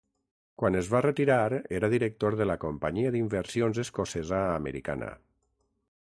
Quan es va retirar era director de la Companyia d'Inversions Escocesa Americana.